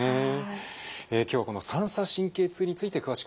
今日はこの三叉神経痛について詳しく伺っていきます。